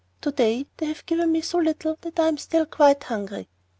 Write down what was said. To day they have given me so little that I am still hungry."